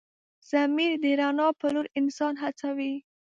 ضمیر د رڼا په لور انسان هڅوي.